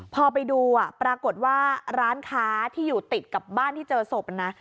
พอไปดูปรากฏว่าร้านค้าที่อยู่ติดกับบ้านที่เจอศพนะ